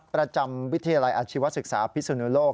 ประจำวิทยาลัยอาชีวศึกษาพิสุนุโลก